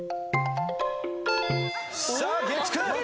さあ月９。